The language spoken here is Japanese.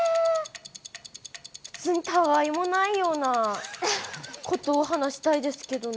他愛もないようなことを話したいですけどね。